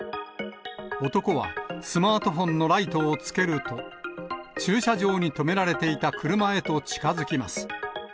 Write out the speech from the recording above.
男はスマートフォンのライトをつけると、駐車場に止められていた車へと近づきます。